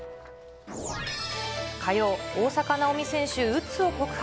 火曜、大坂なおみ選手、うつを告白。